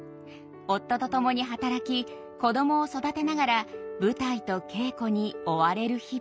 夫と共に働き子供を育てながら舞台と稽古に追われる日々。